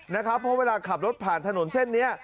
เพราะเวลาขับรถผ่านถนนเส้นนี้